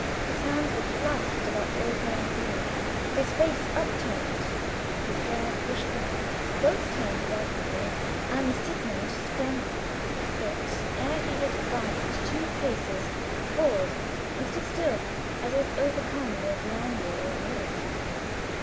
His hands were clasped about the old man's knee, his face upturned, his hair pushed back. Both turned as I came in, and Sigmund sprung up, but ere he had advanced two paces, paused and stood still, as if overcome with languor or weariness.